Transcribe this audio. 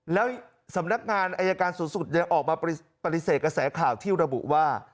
แล้วสำนักงานอายการสูงสุดยังออกมาปฏิเสธกระแสข่าวที่ระบุว่า